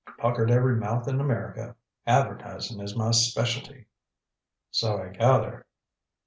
Puckered every mouth in America. Advertising is my specialty." "So I gather."